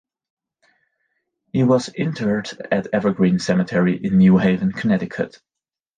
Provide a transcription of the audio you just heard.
He was interred at Evergreen Cemetery in New Haven, Connecticut.